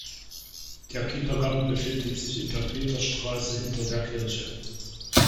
Der Kindergarten befindet sich in der Peterstraße hinter der Kirche.